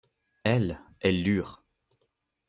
Elles, elles lurent.